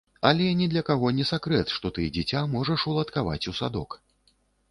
Але ні для каго не сакрэт, што ты дзіця можаш уладкаваць у садок.